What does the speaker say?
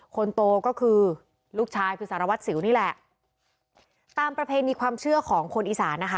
คนโตก็คือลูกชายคือสารวัตรสิวนี่แหละตามประเพณีความเชื่อของคนอีสานนะคะ